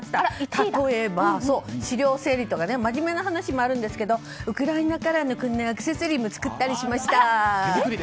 例えば、資料整理とか真面目な話もあるんですけどウクライナカラーのアクセサリーを作ったりしました。